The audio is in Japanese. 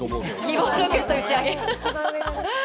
「希望ロケット打ち上げ」ハハハハ！